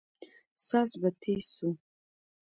ساز به تېز سو.